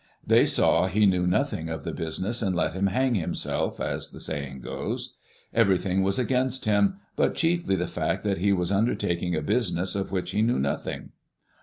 They saw he knew nothing of the business and let him "hang himself," as the saying goes. Everything was against him, but chiefly the fact that he was undertaking a business of which he knew nothing.